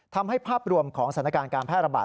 ภาพรวมของสถานการณ์การแพร่ระบาด